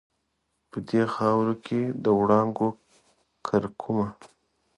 په دې خاورو کې د وړانګو کرکومه